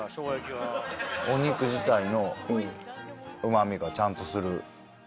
お肉自体のうまみがちゃんとする。